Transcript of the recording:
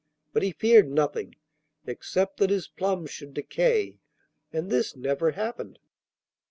But he feared nothing, except that his plums should decay, and this never happened.